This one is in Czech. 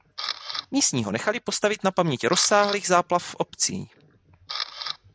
Místní ho nechali postavit na paměť rozsáhlých záplav v obcí.